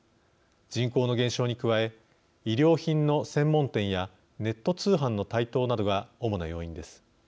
人口の減少に加え衣料品の専門店やネット通販の台頭などが主な要因です。